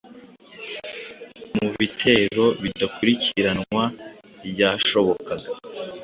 Mubitero bidakurikiranwa byashobokaga